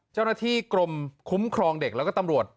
เจ้าหน้าที่กลมอ่าวชนกลัวเด็กแล้วก็ตำรวจ